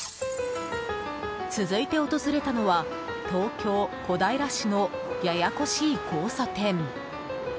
続いて訪れたのは東京・小平市のややこしい交差点。